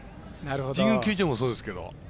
神宮球場もそうですけど。